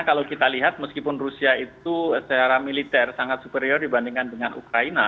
kalau kita lihat meskipun rusia itu secara militer sangat superior dibandingkan dengan ukraina